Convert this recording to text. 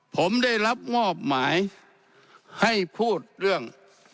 ผมได้รับมอบหมายให้พูดเรื่อง